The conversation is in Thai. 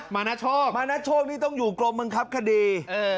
มานาโชคนี่ต้องอยู่กรมมึงครับคดี